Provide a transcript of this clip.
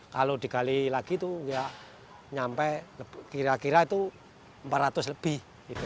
kalau digali lagi itu ya nyampe kira kira itu empat ratus lebih